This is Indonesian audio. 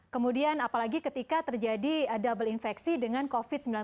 kemudian apalagi ketika terjadi double infeksi dengan covid sembilan belas